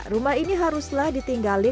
rumah ini haruslah ditinggali